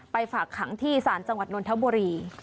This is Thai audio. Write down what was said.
ฝากขังที่ศาลจังหวัดนทบุรี